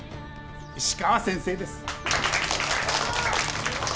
石川先生です。